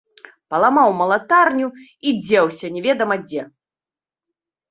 Паламаў малатарню і дзеўся немаведама дзе.